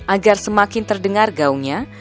agar semakin terdengar gaungnya